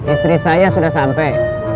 istri saya sudah sampai